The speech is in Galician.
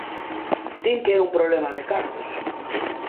Din que é un problema de cartos.